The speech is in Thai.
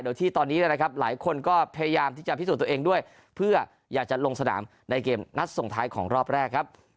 โดยที่ตอนนี้นะครับหลายคนก็พยายามที่จะพิสูจน์ตัวเองด้วยเพื่ออยากจะลงสนามในเกมนัดส่งท้ายของรอบแรกครับ